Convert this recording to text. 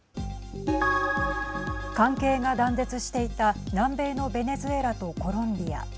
関係が断絶していた南米のベネズエラとコロンビア。